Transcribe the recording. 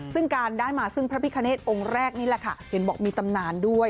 ซึ่งการได้มาซึ่งพระพิคเนธองค์แรกนี่แหละค่ะเห็นบอกมีตำนานด้วย